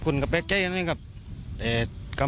คุณกำลังใกล้ใจหน้าข้างนี้ครับ